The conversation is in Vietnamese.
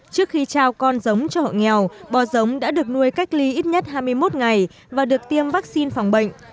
trước khi trao con giống cho hộ nghèo bò giống đã được nuôi cách ly ít nhất hai mươi một ngày và được tiêm vaccine phòng bệnh